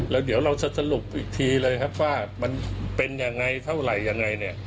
แล้วเดี๋ยวเราจะสรุปอีกทีเลยครับว่ามันเป็นอย่างไรเท่าไรอย่างไร